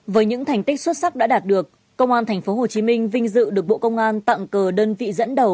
với những thành tích xuất sắc đã đạt được công an tp hcm vinh dự được bộ công an tặng cờ đơn vị dẫn đầu